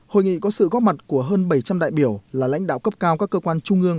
hội nghị có sự góp mặt của hơn bảy trăm linh đại biểu là lãnh đạo cấp cao các cơ quan trung ương